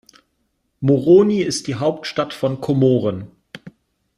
Moroni ist die Hauptstadt von Komoren.